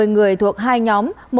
một mươi người thuộc hai nhóm